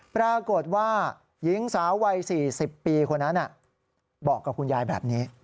ปรากฏว่าหญิงสาววัย๔๐ปีคนนั้นบอกกับคุณยายแบบนี้